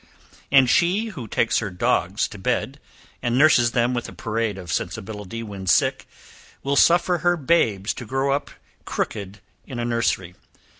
And she who takes her dogs to bed, and nurses them with a parade of sensibility, when sick, will suffer her babes to grow up crooked in a nursery.